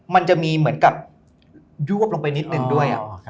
มันจะมีเหมือนกับยวบลงไปนิดนึงด้วย